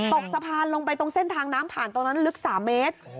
ตกสะพานลงไปตรงเส้นทางน้ำผ่านตรงนั้นลึก๓เมตร